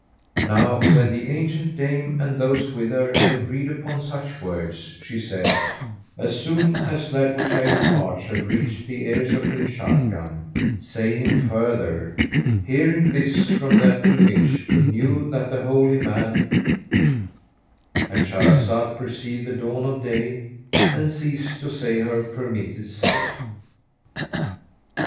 '" Now when the ancient dame and those with her had agreed upon such words, she said, "As soon as that which I impart shall reach the ears of King Sharrkan, say him further, 'Hearing this from that image we knew that the holy man'"—And Shahrazad perceived the dawn of day and ceased to say her permitted say.